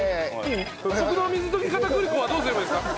僕の水溶き片栗粉はどうすればいいんですか？